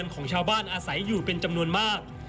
ของชาวบ้านอาศัยอยู่เป็นจำนวนมาก